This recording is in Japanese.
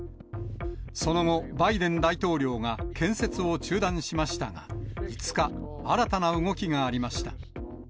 その後、バイデン大統領が建設を中断しましたが、５日、新たな動きがありました。